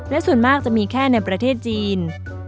และส่วนมากจะมีแค่ในประเทศจีน